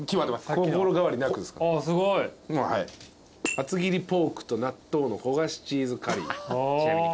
厚切りポークと納豆の焦がしチーズカリー。